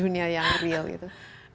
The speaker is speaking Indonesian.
dunia yang real itu